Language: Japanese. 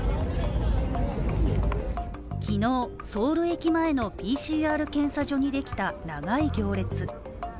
昨日、ソウル駅前のＰＣＲ検査所にできた長い行列。